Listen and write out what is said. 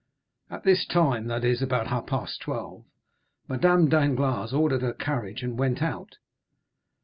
At this time, that is, about half past twelve, Madame Danglars ordered her carriage, and went out.